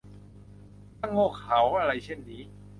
ช่างโง่เขลาอะไรเช่นนี้ !